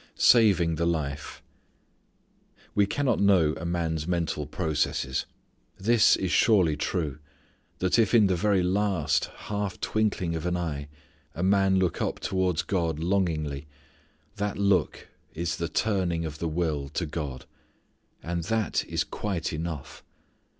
Saving the Life. We cannot know a man's mental processes. This is surely true, that if in the very last half twinkling of an eye a man look up towards God longingly, that look is the turning of the will to God. And that is quite enough.